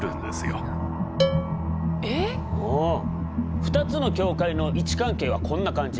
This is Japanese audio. ２つの教会の位置関係はこんな感じ。